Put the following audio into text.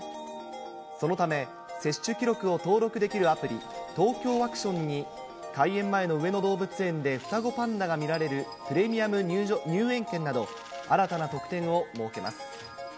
そのため、接種記録を登録できるアプリ、ＴＯＫＹＯワクションに、開演前の上野動物園で双子パンダが見られるプレミアム入園券など、新たな特典を設けます。